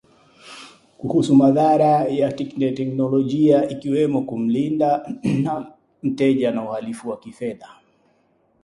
kuhusu madhara ya kiteknolojia ikiwemo kumlinda mteja na uhalifu wa kifedha